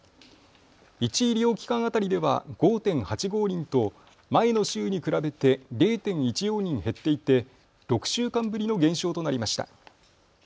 １医療機関当たりでは５．８５人と前の週に比べて０．１４人減っていて６週間ぶりの減少となりました。